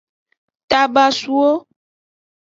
Tabasuwo.